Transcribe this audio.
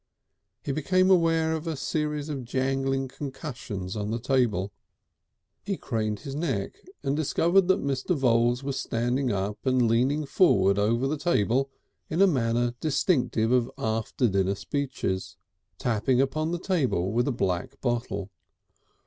He became aware of a series of jangling concussions on the table. He craned his neck and discovered that Mr. Voules was standing up and leaning forward over the table in the manner distinctive of after dinner speeches, tapping upon the table with a black bottle.